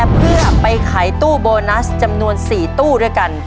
เพื่อไปขายตู้โบนัสจำนวน๔ตู้ด้วยกัน